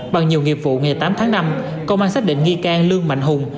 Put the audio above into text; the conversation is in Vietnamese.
bằng nhiều nghiệp vụ ngày tám tháng năm công an xác định nghi can lương mạnh hùng